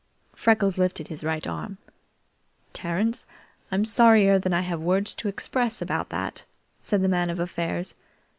Freckles lifted his right arm. "Terence, I'm sorrier than I have words to express about that," said the Man of Affairs.